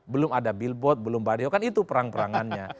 belum ada bilbot belum badeo kan itu perang perangannya